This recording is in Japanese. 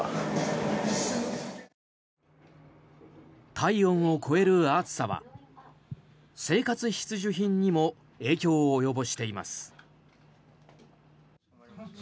体温を超える暑さは生活必需品にも影響を及ぼしています。